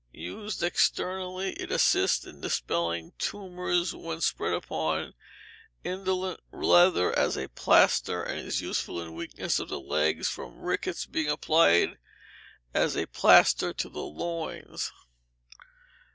Used externally, it assists in dispelling tumours when spread upon indolent leather as a plaster, and is useful in weakness of the legs from rickets, being applied as a plaster to the loins.